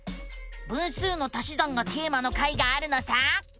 「分数の足し算」がテーマの回があるのさ！